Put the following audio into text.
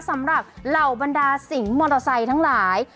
เหล่าบรรดาสิงห์มอเตอร์ไซค์ทั้งหลาย